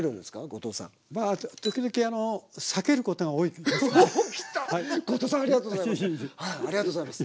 後藤さんありがとうございます。